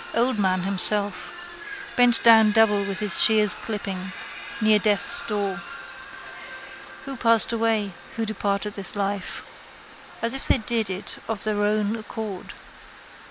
Old man himself. Bent down double with his shears clipping. Near death's door. Who passed away. Who departed this life. As if they did it of their own accord.